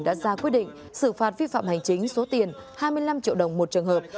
đã ra quyết định xử phạt vi phạm hành chính số tiền hai mươi năm triệu đồng một trường hợp